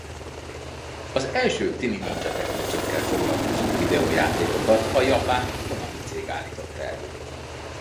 Az első Tini Nindzsa Teknőcökkel foglalkozó videójátékokat a japán Konami cég állította elő.